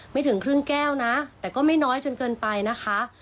ถึงครึ่งแก้วนะแต่ก็ไม่น้อยจนเกินไปนะคะ